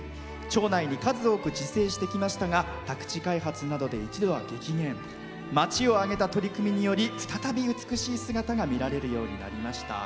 町内に数多くあり宅地開発などで減少しましたが町を挙げた取り組みより再び美しい姿が見られるようになりました。